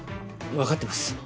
わかってます！